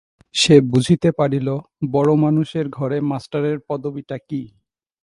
সে বুঝিতে পারিল, বড়ো মানুষের ঘরে মাস্টারের পদবীটা কী।